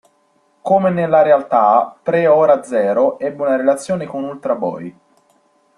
Come nella realtà pre-Ora Zero, ebbe una relazione con Ultra Boy.